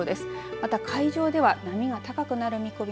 また海上では波が高くなる見込み。